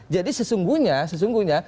jadi sesungguhnya sesungguhnya